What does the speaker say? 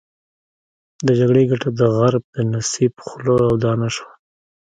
د جګړې ګټه د غرب د نصیب خوله او دانه شوه.